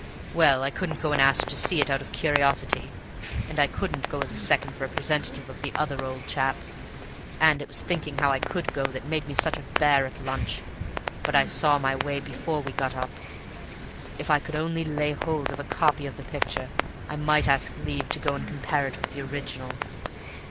Well, I couldn't go and ask to see it out of curiosity, and I couldn't go as a second representative of the other old chap, and it was thinking how I could go that made me such a bear at lunch. But I saw my way before we got up. If I could only lay hold of a copy of the picture I might ask leave to go and compare it with the original.